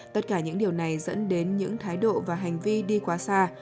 tất cả những điều này dẫn đến những thái độ và hành vi đi quá xa